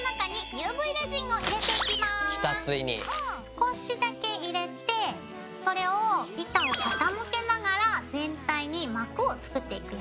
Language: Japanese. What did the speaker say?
少しだけ入れてそれを板を傾けながら全体に膜を作っていくよ。